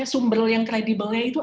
sumber yang kredibelnya itu